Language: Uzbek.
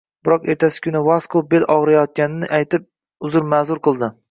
Biroq ertasi kuni Vasko beli ogʻriyotganini aytib, uzr-maʼzur qildi.